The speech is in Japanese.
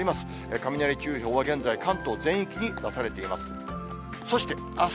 雷注意報は現在、関東全域に出されています。